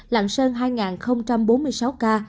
lạng sơn hai bốn mươi sáu ca